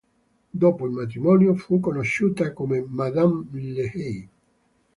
Dopo il matrimonio fu conosciuta come Madame Le Hay.